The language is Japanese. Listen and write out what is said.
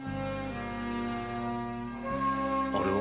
あれは？